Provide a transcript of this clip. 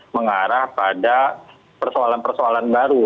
mengarah pada persoalan persoalan baru